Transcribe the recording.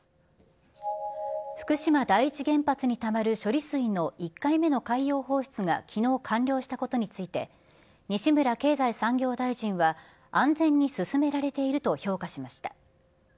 福島第一原発にたまる処理水の１回目の海洋放出がきのう完了したことについて、西村経済産業大臣は安全に進められていると評価しました。